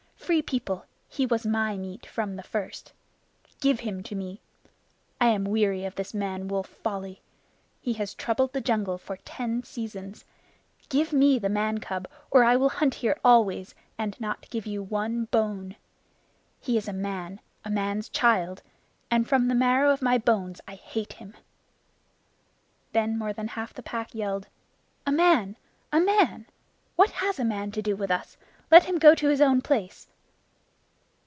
Free People, he was my meat from the first. Give him to me. I am weary of this man wolf folly. He has troubled the jungle for ten seasons. Give me the man cub, or I will hunt here always, and not give you one bone. He is a man, a man's child, and from the marrow of my bones I hate him!" Then more than half the Pack yelled: "A man! A man! What has a man to do with us? Let him go to his own place."